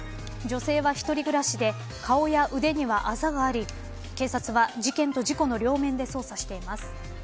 女性は、一人暮らしで顔や腕には、あざがあり警察は事件と事故の両面で捜査しています。